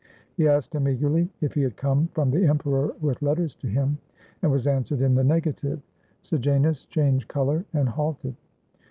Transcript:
He asked him eagerly if he had come from the emperor with letters to him, and was answered in the negative. Sejanus changed color and halted.